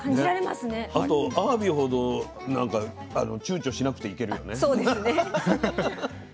あとあわびほどちゅうちょしなくていけるよね。